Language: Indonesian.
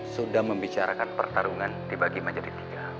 sudah membicarakan pertarungan di bagi menjadi tiga